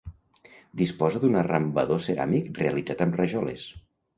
Disposa d'un arrambador ceràmic realitzat amb rajoles.